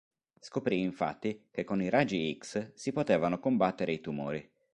Scoprì, infatti, che con i raggi X si potevano combattere i tumori.